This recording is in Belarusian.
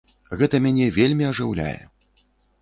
Гэта мяне вельмі ажыўляе!